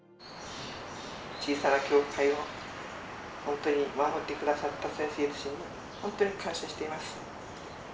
小さな教会をほんとに守って下さった先生たちにほんとに感謝しています。